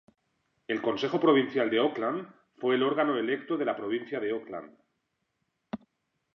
El Consejo Provincial de Auckland fue el órgano electo de la provincia de Auckland.